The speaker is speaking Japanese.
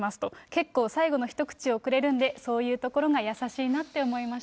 結構、最後の一口をくれるんで、そういうところが優しいなって思いますと。